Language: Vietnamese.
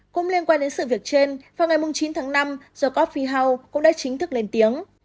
cũng liên quan đến sự việc trên vào ngày chín tháng năm the coffee house cũng đã chính thức lên tiếng